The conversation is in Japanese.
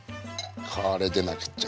これでなくっちゃ。